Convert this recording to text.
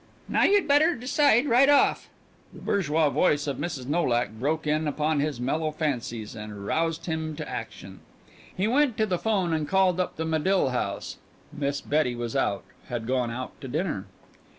"Now you'd better decide right off." The bourgeois voice of Mrs. Nolak broke in upon his mellow fancies and roused him to action. He went to the phone and called up the Medill house. Miss Betty was out; had gone out to dinner.